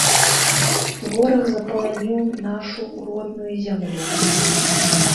Вораг запаланіў нашу родную зямлю.